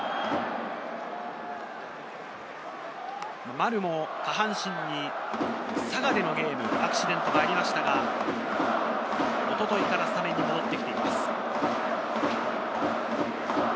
丸も下半身に佐賀でのゲーム、アクシデントがありましたが、おとといからスタメンに戻ってきています。